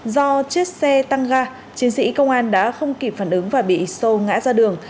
do chiếc xe tăng ga chiến sĩ công an đã không kịp phản ứng và bị sâu ngã ra đường